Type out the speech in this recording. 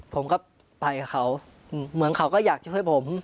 ผมก็ไปกับเขาเหมือนเขาก็อยากจะช่วยผม